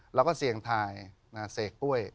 แล้วก็เสี่ยงทายเสกกล้วย